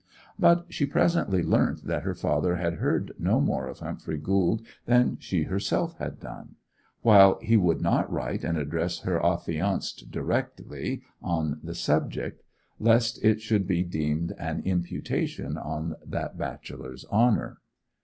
But she presently learnt that her father had heard no more of Humphrey Gould than she herself had done; while he would not write and address her affianced directly on the subject, lest it should be deemed an imputation on that bachelor's honour.